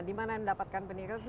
di mana yang dapatkan peningkatan